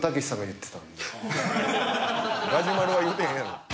ガジュマルは言うてへんやろ。